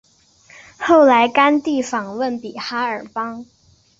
后来甘地访问比哈尔邦。